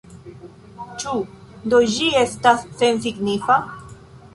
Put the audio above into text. Ĉu do ĝi estas sensignifa?